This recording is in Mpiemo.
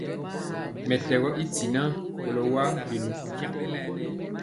Mɛtɛgɔ i tinaa kolɔ wa biluŋ.